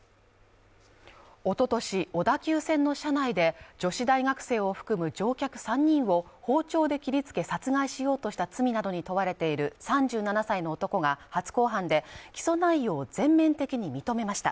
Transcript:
おととし、小田急線の車内で女子大学生を含む乗客３人を包丁で切りつけ殺害しようとした罪などに問われている３７歳の男が初公判で起訴内容を全面的に認めました。